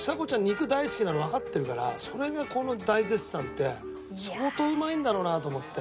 肉大好きなのわかってるからそれがこの大絶賛って相当うまいんだろうなと思って。